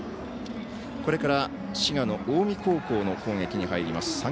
これから、滋賀の近江高校の攻撃に入ります。